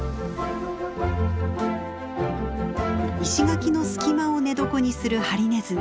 石垣の隙間を寝床にするハリネズミ。